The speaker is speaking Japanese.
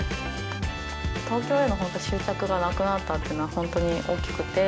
東京への執着がなくなったっていうのは本当に大きくて。